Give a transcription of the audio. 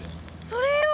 それよ！